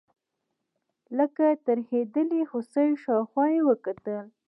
لکه ترهېدلې هوسۍ شاوخوا یې وکتل.